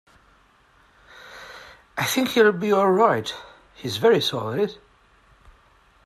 I think he’ll be all right. He’s very solid.